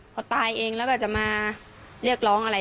พอตายเองแล้วก็จะมาเรียกร้องอะไร